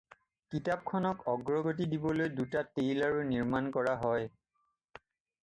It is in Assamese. কিতাপখনক অগ্ৰগতি দিবলৈ দুটা ট্ৰেইলাৰো নিৰ্মাণ কৰা হয়।